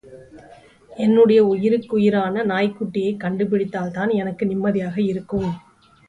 என்னுடைய உயிருக்குயிரான நாய்க்குட்டியைக் கண்டுபிடித்தால்தான் எனக்கு நிம்மதியாக இருக்கும்.